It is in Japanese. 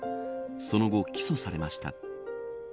その後、起訴されました。